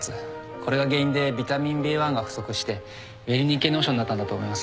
これが原因でビタミン Ｂ１ が不足してウェルニッケ脳症になったんだと思います